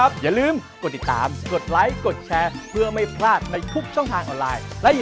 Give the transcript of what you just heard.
สวัสดีค่ะ